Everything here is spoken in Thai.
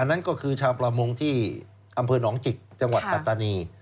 นั่นก็คือชาวประมงที่อำเภอหนองจิกจังหวัดปัตตานี